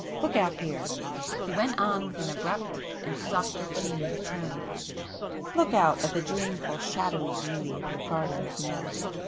Look out here,"—he went on with an abrupt and softer change of tone—"Look out at the dreamful shadowy beauty of your gardens now!